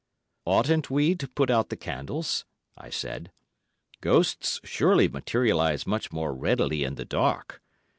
"Oughtn't we to put out the candles?" I said. "Ghosts surely materialise much more readily in the dark."